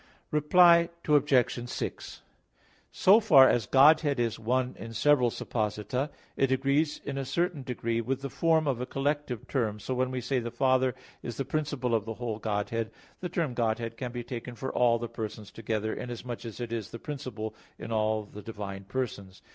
Reply Obj. 6: So far as Godhead is one in several supposita, it agrees in a certain degree with the form of a collective term. So when we say, "the Father is the principle of the whole Godhead," the term Godhead can be taken for all the persons together, inasmuch as it is the principle in all the divine persons.